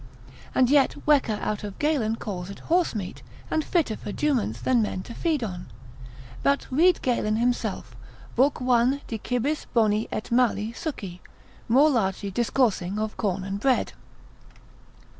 And yet Wecker out of Galen calls it horsemeat, and fitter for juments than men to feed on. But read Galen himself, Lib. 1. De cibis boni et mali succi, more largely discoursing of corn and bread.